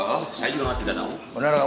oh saya juga tidak tahu